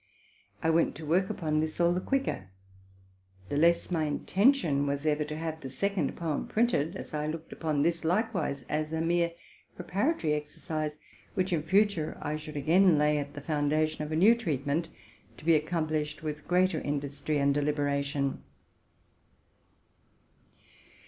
I went to work upon this all the quicker, the less my intention was ever to have the second poem printed ; as I looked upon this likewise as a mere preparatory exercise, which in future I should again lay at the foundation of a new treatment, to be accomplished with greater industry and deliberation.